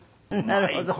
なるほどね。